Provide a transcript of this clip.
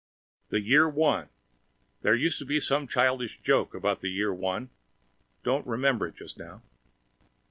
The Year One. There used to be some childish joke about the Year One. Don't remember it just now.